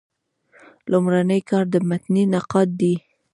لومړنی کار د متني نقاد دﺉ.